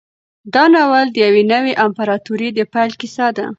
دا ناول د یوې نوې امپراطورۍ د پیل کیسه ده.